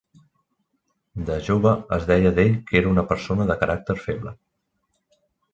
De jove es deia d'ell que era una persona de caràcter feble.